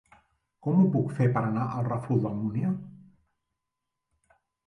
Com ho puc fer per anar al Ràfol d'Almúnia?